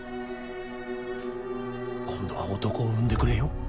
今度は男を産んでくれよ。